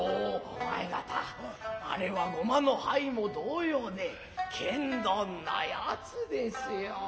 お前方あれはゴマの灰も同様で剣呑なやつですよ。